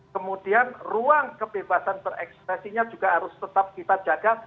kemudian ruang kebebasan berekspresinya juga harus tetap kita jaga